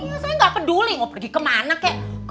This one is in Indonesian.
ya saya gak peduli mau pergi kemana kak